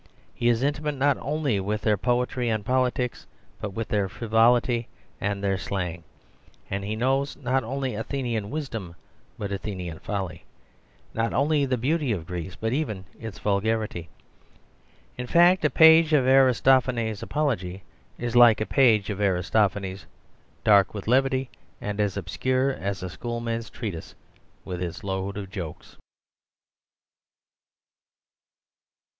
He is intimate not only with their poetry and politics, but with their frivolity and their slang; he knows not only Athenian wisdom, but Athenian folly; not only the beauty of Greece, but even its vulgarity. In fact, a page of Aristophanes' Apology is like a page of Aristophanes, dark with levity and as obscure as a schoolman's treatise, with its load of jokes.